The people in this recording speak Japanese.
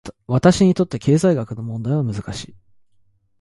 私にとって、経済学の問題は難しい。